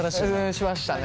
しましたね。